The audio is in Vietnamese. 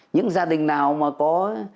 những gia đình nào mà có